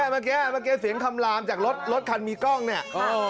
เมิ้งมันแกะเสียงคำลามจากรถคันมีกล้องเนี่ย